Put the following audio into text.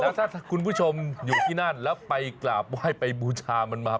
แล้วถ้าคุณผู้ชมอยู่ที่นั่นแล้วไปกราบไหว้ไปบูชามันมา